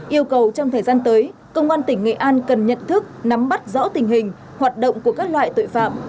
yêu cầu trong thời gian tới công an tỉnh nghệ an cần nhận thức nắm bắt rõ tình hình hoạt động của các loại tội phạm